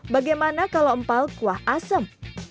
bagaimana kalau empal kuah asem